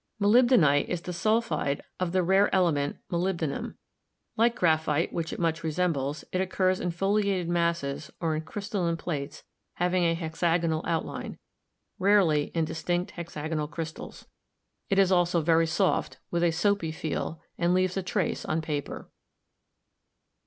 Molybdenite is the sulphide of the rare element mo lybdenum. Like graphite, which it much resembles, it oc curs in foliated masses or in crystalline plates having a hexagonal outline; rarely in distinct hexagonal crystals, 264 GEOLOGY It is also very soft, with a soapy feel, and leaves a trace on paper.